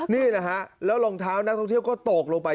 นี่แหละฮะแล้วรองเท้านักท่องเที่ยวก็ตกลงไป